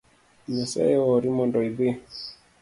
Nyasaye oori mondo idhi